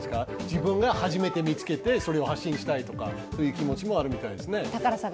自分が初めて見つけて、それを発信したいとか、そういう気持ちもあるみたいですね。